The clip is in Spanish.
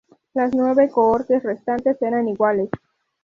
Las nueve cohortes restantes eran iguales.